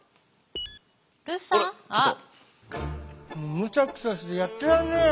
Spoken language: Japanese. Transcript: むしゃくしゃしてやってらんねえよ。